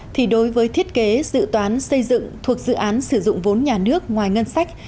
thì đối với thiết kế dự toán xây dựng thuộc dự án sử dụng vốn nhà nước ngoài ngân sách